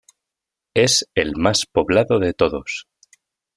Es el más poblado de todos.